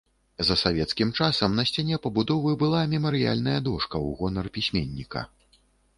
За савецкім часам на сцяне пабудовы была мемарыяльная дошка ў гонар пісьменніка.